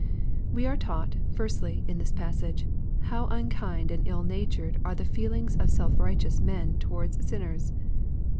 We are taught, firstly, in this passage, how unkind and ill natured are the feelings of self righteous men/^ towards sinners.